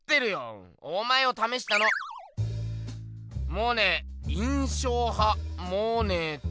モネ印象派モネと。